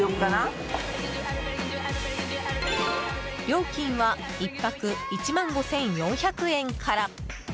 料金は１泊１万５４００円から。